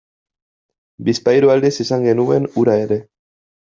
Bizpahiru aldiz izan genuen hura ere.